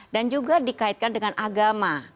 dan juga dikaitkan dengan agama